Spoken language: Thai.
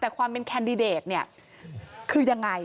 แต่ความเป็นแคนดิเดตเนี่ยคือยังไง